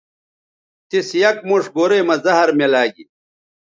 تِس یک موݜ گورئ مہ زہر میلاگی